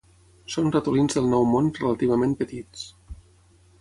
Són ratolins del Nou Món relativament petits.